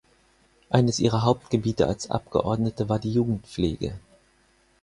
Eines ihrer Hauptgebiete als Abgeordnete war die Jugendpflege.